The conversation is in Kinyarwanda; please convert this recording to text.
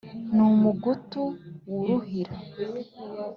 ni umugutu w’uruhira